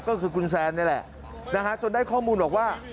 ก็คือคุณแซนนี่แหละนะฮะจนได้ข้อมูลบอกว่า